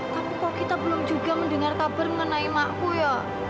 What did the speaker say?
tapi kok kita belum juga mendengar kabar mengenai makmu ya